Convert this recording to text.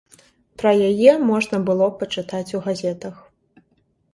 Пра яе можна было пачытаць у газетах.